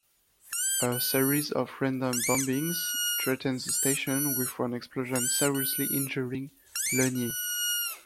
A series of random bombings threaten the station, with one explosion seriously injuring Lennier.